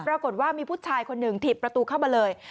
ปรากฏว่ามีผู้ชายคนหนึ่งถีบประตูเข้ามาเลย